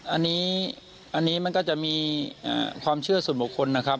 อันนี้มันก็จะมีความเชื่อส่วนบุคคลนะครับ